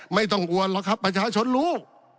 ไม่ต้องกลัวหรอกครับประชาชนรู้